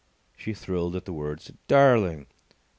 She thrilled at the words. "Darling!"